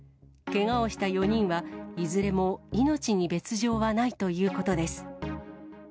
けがをした４人は、いずれも命に別状はないということです。